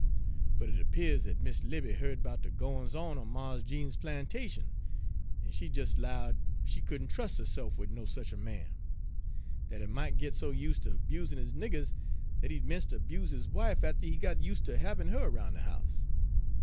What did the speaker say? But it 'pears dat Miss Libbie heared 'bout de gwines on on Mars Jeems's plantation, en she des 'lowed she couldn' trus' herse'f wid no sech a man; dat he mought git so useter 'busin' his niggers dat he'd 'mence ter 'buse his wife atter he got useter habbin' her roun' de house.